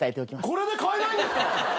これで買えないんですか？